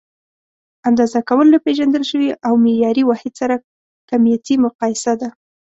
اندازه کول: له پېژندل شوي او معیاري واحد سره کمیتي مقایسه ده.